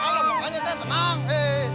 alamak aja teh tenang